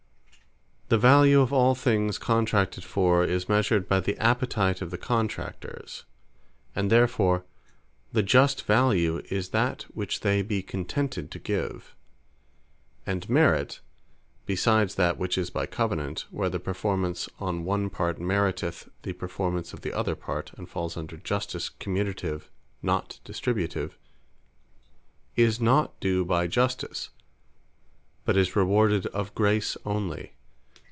The value of all things contracted for, is measured by the Appetite of the Contractors: and therefore the just value, is that which they be contented to give. And Merit (besides that which is by Covenant, where the performance on one part, meriteth the performance of the other part, and falls under Justice Commutative, not Distributive,) is not due by Justice; but is rewarded of Grace onely.